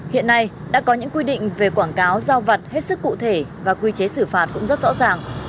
hiện nay đã có những quy định về quảng cáo giao vặt hết sức cụ thể và quy chế xử phạt cũng rất rõ ràng